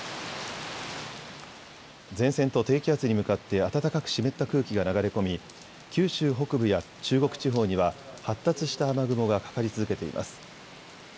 前線と低気圧に向かって暖かく湿った空気が流れ込み九州北部や中国地方には発達した雨雲がかかり続けています。